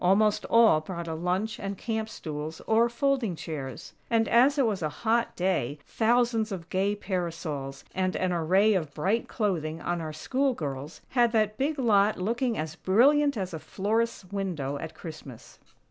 Almost all brought a lunch and camp stools or folding chairs; and, as it was a hot day, thousands of gay parasols, and an array of bright clothing on our school girls, had that big lot looking as brilliant as a florist's window at Christmas.